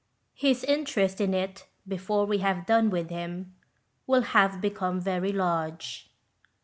His interest in it, before we have done with him, will have become very large.